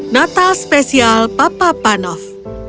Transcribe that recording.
natal spesial papa panov